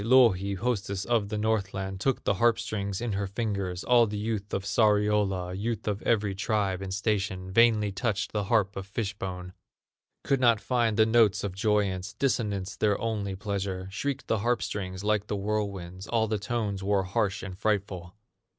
Louhi, hostess of the Northland, Took the harp strings in her fingers; All the youth of Sariola, Youth of every tribe and station, Vainly touched the harp of fish bone; Could not find the notes of joyance, Dissonance their only pleasure; Shrieked the harp strings like the whirlwinds, All the tones wore harsh and frightful.